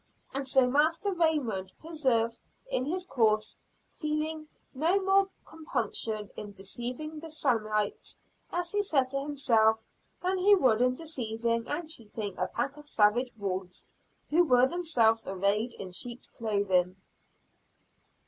And so Master Raymond persevered in his course, feeling no more compunction in deceiving the Salemites, as he said to himself, than he would in deceiving and cheating a pack of savage wolves, who were themselves arrayed in sheep's clothing.